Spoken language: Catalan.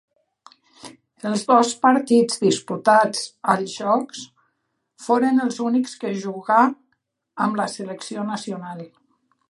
Els dos partits disputats als Jocs foren els únics que jugà amb la selecció nacional.